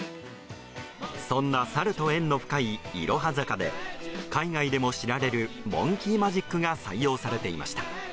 そんなサルと縁の深いいろは坂で海外でも知られる「モンキー・マジック」が採用されていました。